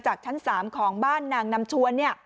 ชั้น๓ของบ้านนางนำชวน